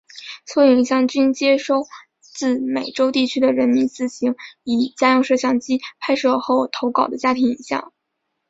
所有影像均接收自美洲地区的人民自行以家用摄影机拍摄后投稿的家庭影像。